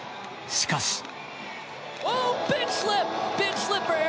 しかし。